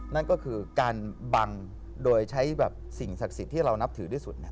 นั่นก็คือการบังโดยใช้สิ่งศักดิ์สิทธิ์ที่เรานับถือที่สุด